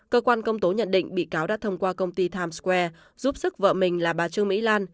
cơ quan công tố nhận định bị cáo đã thông qua công ty times square giúp sức vợ mình là bà trương mỹ lan